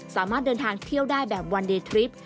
สามารถเดินทางเที่ยวได้แบบวันเดย์ทริป